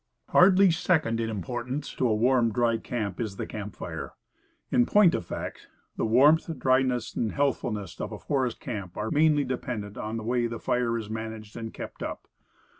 HARDLY second in importance to a warm, dry camp, is the camp fire. In point of fact, the warmth, dryness, and healthfulness of a forest camp are mainly dependent on the way the fire is managed and kept up.